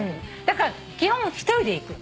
だから基本一人で行く。